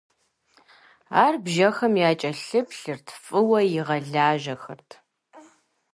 Ар бжьэхэм якӀэлъыплъырт, фӀыуэ игъэлажьэхэрт.